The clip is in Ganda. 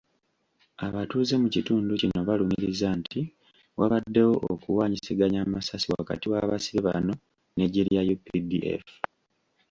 Abatuuze mu kitundu kino balumiriza nti, wabaddewo okuwanyisiganya amasasi wakati w'abasibe bano n'eggye lya UPDF.